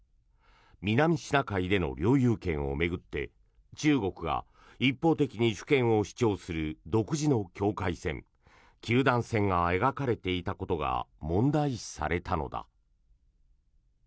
南シナ海での領有権を巡って中国が一方的に主権を主張する独自の境界線、九段線が描かれていたことが問題視されたのだ。